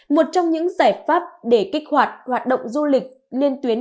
một trong những giải pháp để kích hoạt hoạt động du lịch liên tuyến